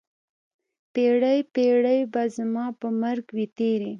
پیړۍ، پیړۍ به زما په مرګ وي تېرې